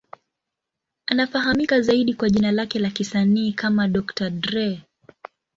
Anafahamika zaidi kwa jina lake la kisanii kama Dr. Dre.